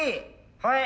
はい。